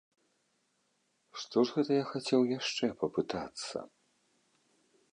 Што ж гэта я хацеў яшчэ папытацца?